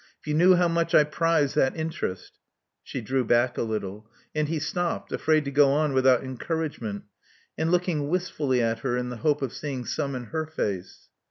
If you knew how much I prize that interest " She drew back a little ; and he stopped, afraid to go on without encouragement, and looking wistfully at her in the hope of seeing some in her face.